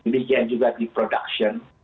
begian juga di production